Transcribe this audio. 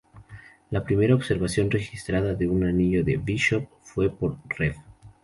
La primera observación registrada de un anillo de Bishop fue por Rev.